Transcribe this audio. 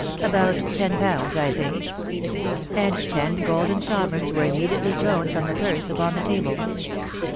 ..• About ten poanikj 1 \\ think." '■ And ten golden sovereigns were immediately thrown tm the purse upon the table.